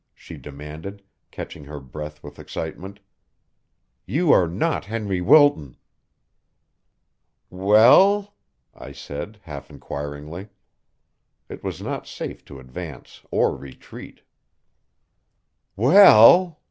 she demanded, catching her breath with excitement. "You are not Henry Wilton." "Well?" I said half inquiringly. It was not safe to advance or retreat. "Well